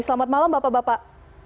selamat malam bapak bapak